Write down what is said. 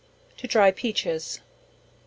To dry Peaches.